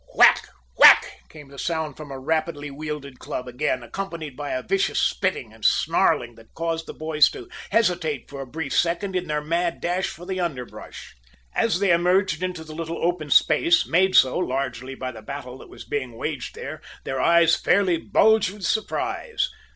Whack! whack! came the sound from a rapidly wielded club again, accompanied by a vicious spitting and snarling that caused the boys to hesitate, for a brief second, in their mad dash for the underbrush. As they emerged into a little open space, made so largely by the battle that was being waged there, their eyes fairly bulged with surprise.